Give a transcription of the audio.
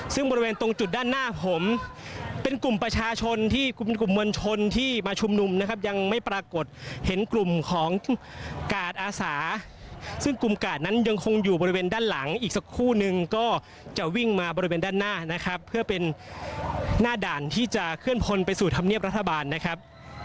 ซึ่งบริเวณตรงจุดด้านหน้าผมเป็นกลุ่มประชาชนที่กลุ่มมวลชนที่มาชุมนุมนะครับยังไม่ปรากฏเห็นกลุ่มของกาดอาสาซึ่งกลุ่มกาดนั้นยังคงอยู่บริเวณด้านหลังอีกสักคู่นึงก็จะวิ่งมาบริเวณด้านหน้านะครับเพื่อเป็นหน้าด่านที่จะเคลื่อนพลไปสู่ธรรมเนียบรัฐบาลนะครับ